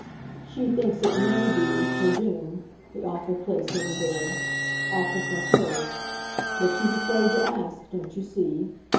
She thinks it MAY be, her doom, the awful place over there awful for HER; but she's afraid to ask, don't you see?